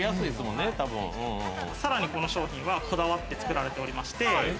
さらにこの商品は、こだわって作られておりまして。